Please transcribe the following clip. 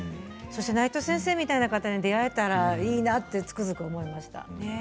そして、内藤先生みたいな方に出会えたらいいなとつくづく思いました。